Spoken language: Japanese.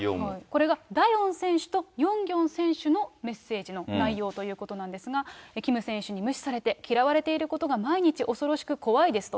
これがダヨン選手とヨンギョン選手のメッセージの内容ということなんですが、キム選手に無視されて嫌われていることが毎日つらくて怖いですと。